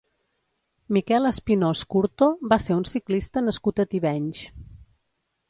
Miquel Espinós Curto va ser un ciclista nascut a Tivenys.